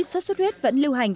sốt xuất huyết vẫn lưu hành